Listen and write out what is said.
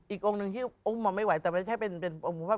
อีกองค์หนึ่งที่อุ้มไม่ไหวแต่เวลาเจ้าก็เป็นพ่อหนาราย